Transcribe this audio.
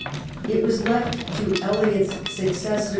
It was left to Elliot's successor